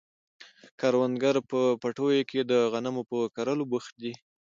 کروندګر په پټیو کې د غنمو په کرلو بوخت دي.